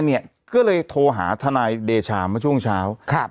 แม่เนี่ยก็เลยโทรหาทนายเดชามาช่วงเช้า